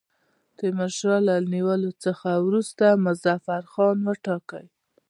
تیمورشاه له نیولو څخه وروسته مظفرخان وټاکی.